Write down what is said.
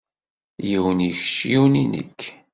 Yiwen i kečč yiwen i nekk.